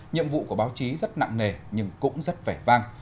nhiệm vụ của báo chí rất nặng nề nhưng cũng rất vẻ vang